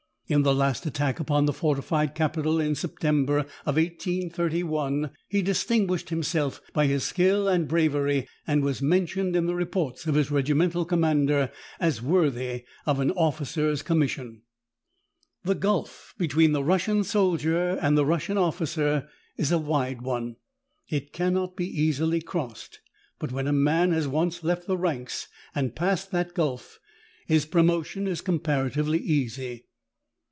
In the last attack upon the fortified capital, in September, 1831, he distinguished himself by his skill and bravery, and was mentioned in the reports of his regimental commander as worthy of an officer's commission. The gulf between the Russian soldier and the Russian officer is a wide one ; it cannot be easily crossed ; but when a man has once left the ranks and passed the gulf, his promotion is compara tively easy.